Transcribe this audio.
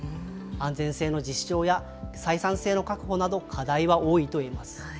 安全性の実証や、採算性の確保など、課題は多いといえます。